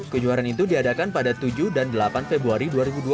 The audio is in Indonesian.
kejuaraan itu diadakan pada tujuh dan delapan februari dua ribu dua puluh